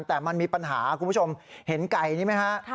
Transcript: แต่มันมีปัญหาคุณผู้ชมเห็นไก่นี้ไหมฮะ